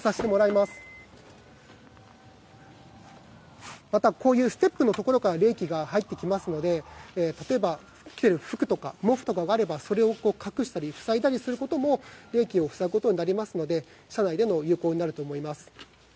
また、こういうステップから冷気が入ってきますので例えば着てる服とか毛布とかがあればそれで塞いだりすることも冷気を塞ぐことになりますので有効だと思います。